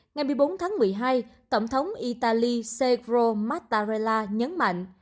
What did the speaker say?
ngày một mươi bốn tháng một mươi hai tổng thống italy segro mattarella nhấn mạnh